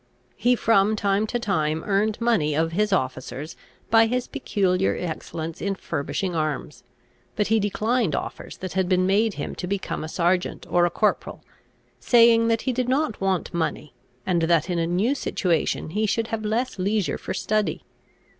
He from time to time earned money of his officers, by his peculiar excellence in furbishing arms; but he declined offers that had been made him to become a Serjeant or a corporal, saying that he did not want money, and that in a new situation he should have less leisure for study.